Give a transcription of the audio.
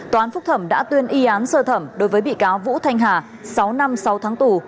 tòa án phúc thẩm đã tuyên y án sơ thẩm đối với bị cáo vũ thanh hà sáu năm sáu tháng tù